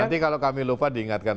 nanti kalau kami lupa diingatkan